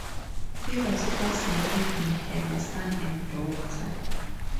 He was twice married and had a son and daughter.